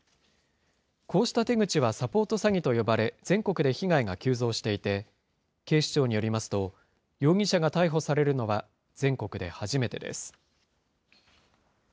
こうした手口はサポート詐欺と呼ばれ、全国で被害が急増していて、警視庁によりますと、容疑者が逮捕されるのは、全国で初めてです。